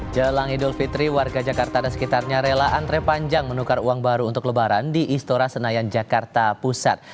jelang idul fitri warga jakarta dan sekitarnya rela antre panjang menukar uang baru untuk lebaran di istora senayan jakarta pusat